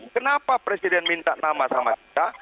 kenapa presiden minta nama sama kita